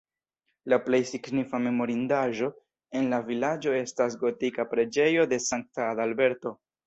La plej signifa memorindaĵo en la vilaĝo estas gotika preĝejo de Sankta Adalberto.